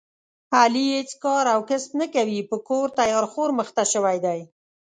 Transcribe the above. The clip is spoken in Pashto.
علي هېڅ کار او کسب نه کوي، په کور تیار خور مخته شوی دی.